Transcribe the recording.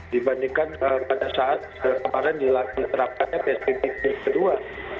dibandingkan pada saat kemarin diterapkan pspt kedua